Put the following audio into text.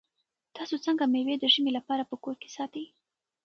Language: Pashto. تاسو څنګه مېوې د ژمي لپاره په کور کې ساتئ؟